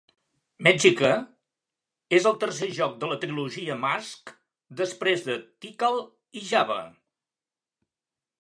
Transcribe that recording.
"Mexica" és el tercer joc de la trilogia Mask, després de "Tikal" i "Java".